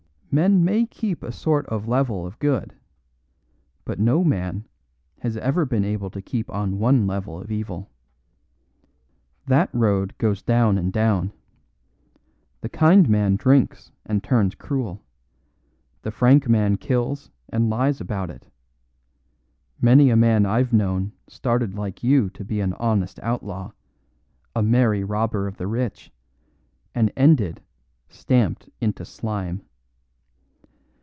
Men may keep a sort of level of good, but no man has ever been able to keep on one level of evil. That road goes down and down. The kind man drinks and turns cruel; the frank man kills and lies about it. Many a man I've known started like you to be an honest outlaw, a merry robber of the rich, and ended stamped into slime.